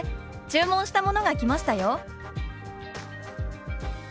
注文したものが来ましたよ」。